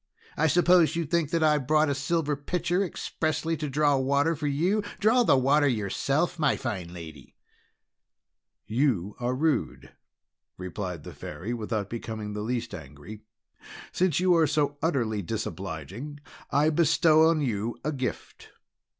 I suppose you think that I have brought a silver pitcher expressly to draw water for you! Draw the water yourself, my fine lady!" "You are rude," replied the Fairy without becoming in the least angry. "Since you are so utterly disobliging, I bestow on you a gift.